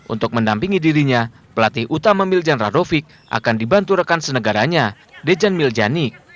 untuk mendampingi dirinya pelatih utama miljan radovic akan dibantu rekan senegaranya dejan miljani